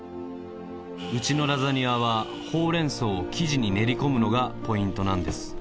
うちのラザニアはホウレンソウを生地に練り込むのがポイントなんです。